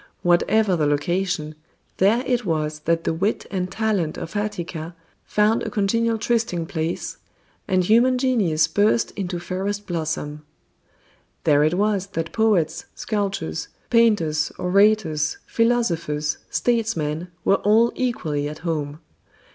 Whatever the location, there it was that the wit and talent of Attica found a congenial trysting place, and human genius burst into fairest blossom. There it was that poets, sculptors, painters, orators, philosophers, statesmen were all equally at home.